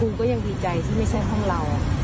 คุณก็ยังดีใจที่ไม่ใช่ห้องเรา